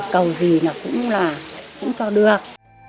cầu gì cũng là cũng cho được